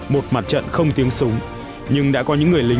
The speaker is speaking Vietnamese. một mặt trận không tiếng súng nhưng đã có những người lính